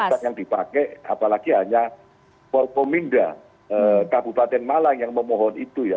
bukan yang dipakai apalagi hanya porkominda kabupaten malang yang memohon itu ya